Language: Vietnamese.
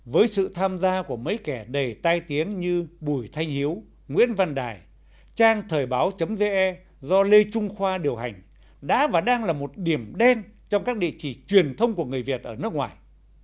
với sự tham gia của mấy kẻ đầy tai tiếng như bùi thanh hiếu nguyễn văn đài trang thời báo ge do lê trung khoa điều hành đã và đang là một điểm đen trong các địa chỉ truyền thông của người việt ở nước ngoài